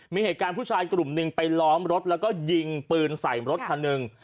มีเหตุการณ์ผู้ชายกลุ่มหนึ่งไปล้อมรถแล้วก็ยิงปืนใส่รถคันหนึ่ง